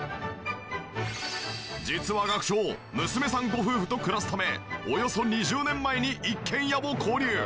実は学長娘さんご夫婦と暮らすためおよそ２０年前に一軒家を購入。